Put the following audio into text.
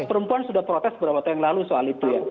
perempuan sudah protes beberapa tahun yang lalu soal itu ya